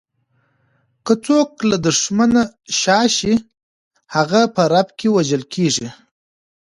که څوک له دښمنه شا شي، هغه په رپ کې وژل کیږي.